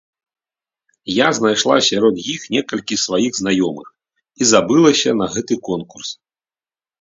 Я знайшла сярод іх некалькі сваіх знаёмых і забылася на гэты конкурс.